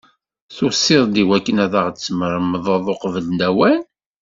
Tusiḍ-d iwakken ad ɣ-tesmeremdeḍ uqbel lawan?